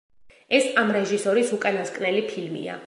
ეს ამ რეჟისორის უკანასკნელი ფილმია.